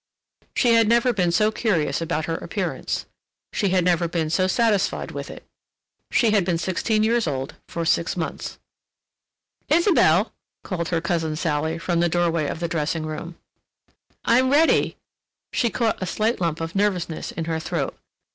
She had never been so curious about her appearance, she had never been so satisfied with it. She had been sixteen years old for six months. "Isabelle!" called her cousin Sally from the doorway of the dressing room. "I'm ready." She caught a slight lump of nervousness in her throat.